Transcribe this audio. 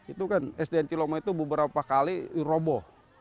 itu kan sdn cilomo itu beberapa kali robo